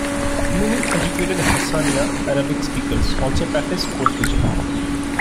Many educated Hassaniya Arabic speakers also practice code-switching.